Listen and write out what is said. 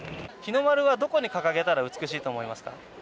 日の丸はどこに掲げたら美しいと思いますか？